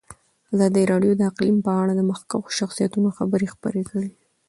ازادي راډیو د اقلیم په اړه د مخکښو شخصیتونو خبرې خپرې کړي.